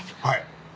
はい。